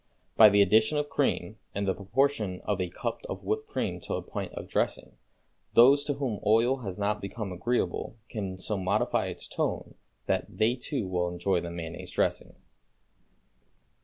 By the addition of cream, in the proportion of a cup of whipped cream to a pint of dressing, those to whom oil has not become agreeable can so modify its "tone" that they too will enjoy the mayonnaise dressing.